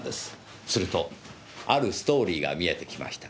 するとあるストーリーが見えてきました。